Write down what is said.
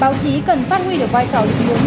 báo chí cần phát huy được vai trò lịch dụng